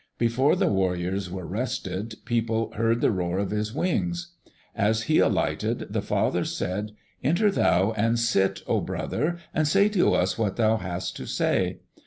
Before the warriors were rested, people heard the roar of his wings. As he alighted, the fathers said, "Enter thou and sit, oh brother, and say to us what thou hast to say."